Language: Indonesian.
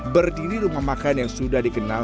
berdiri rumah makan yang sudah dikenal